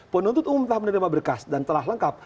penuntut umum telah menerima berkas dan telah lengkap